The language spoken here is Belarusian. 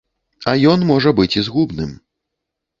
А ён можа быць і згубным.